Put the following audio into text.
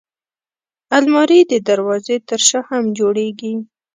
الماري د دروازې تر شا هم جوړېږي